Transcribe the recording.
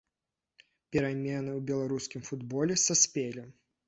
Перамены ў беларускім футболе саспелі.